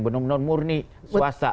benar benar murni swasta